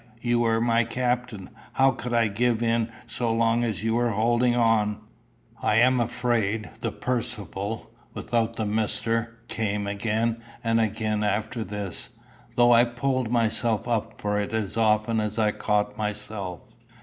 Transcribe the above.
You were my captain: how could I give in so long as you were holding on?" I am afraid the Percivale, without the Mister, came again and again after this, though I pulled myself up for it as often as I caught myself.